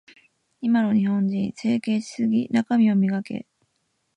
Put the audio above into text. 今の日本人、整形しすぎ。中身を磨け。